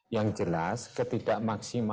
yang jelas ketidakmaksimal